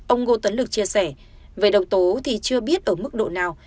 ông ngô tấn lực chia sẻ về độc tố thì chưa biết ở mức độ nào